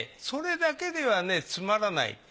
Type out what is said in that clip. それだけではねつまらない。